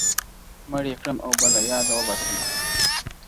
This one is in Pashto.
مړ يې کړم اوبه له ياده وباسم~